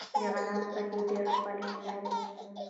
د غنمو پټي ډېر ښکلي ښکاري.